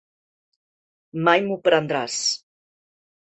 Mai m'ho prendràs!